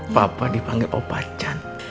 papa dipanggil opacan